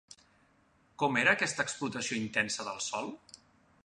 Com era aquesta explotació intensa del sòl?